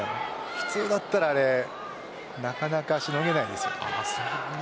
普通だったらなかなかしのげないです。